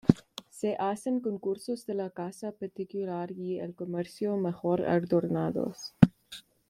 Se hacen concursos de la casa particular y el comercio mejor adornados.